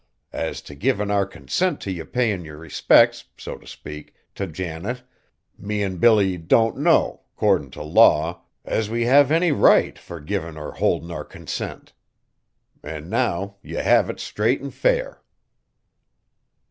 As t' givin' our consent t' ye payin' yer respects, so t' speak, t' Janet, me an' Billy don't know, 'cordin t' law, as we have any right fur givin' or holdin' our consent. An' now ye have it straight an' fair!"